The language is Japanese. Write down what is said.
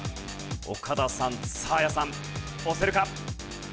岡田さんサーヤさん押せるか？